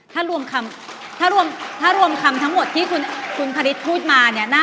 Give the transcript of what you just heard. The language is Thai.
ถ้ารวมคำทั้งหมดที่คุณพลิตพูดมา